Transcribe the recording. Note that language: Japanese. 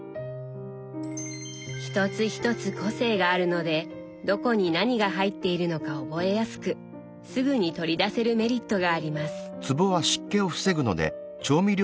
一つ一つ個性があるのでどこに何が入っているのか覚えやすくすぐに取り出せるメリットがあります。